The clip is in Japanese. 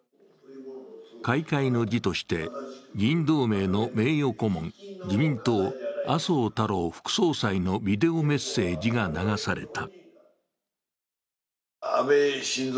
開会の辞として、議員同盟の名誉顧問、自民党、麻生太郎副総裁のビデオメッセージが流された。